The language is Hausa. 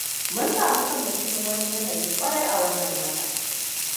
Mun samu kanmu cikin wani yanayi kwarai a wannan watan.